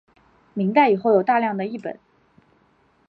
明代以后有大量的辑本。